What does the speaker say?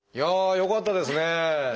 よかったです。